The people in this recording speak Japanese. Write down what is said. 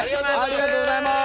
ありがとうございます！